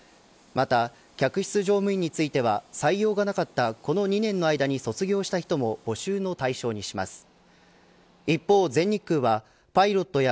また客室乗務員については採用がなかったこの２年の間に卒業をした人も募集の対象にします。